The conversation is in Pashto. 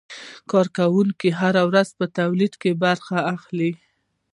کارکوونکي هره ورځ په تولید کې برخه اخلي.